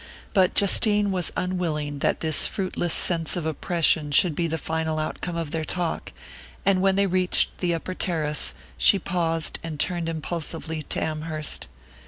But Justine was unwilling that this fruitless sense of oppression should be the final outcome of their talk; and when they reached the upper terrace she paused and turned impulsively to Amherst.